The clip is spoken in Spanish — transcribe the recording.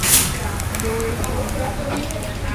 You're an actor.